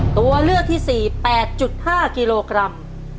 ตัวเลือกที่๔๘๕กิโลกรัม